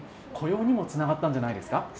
雇用にもつながったんじゃないですか。